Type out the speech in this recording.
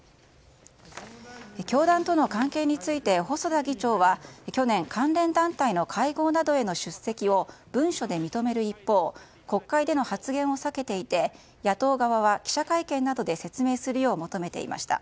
教団との関係について細田議長は去年関連団体の会合などへの出席を文書で認める一方国会での発言を避けていて野党側は記者会見などで説明するよう求めていました。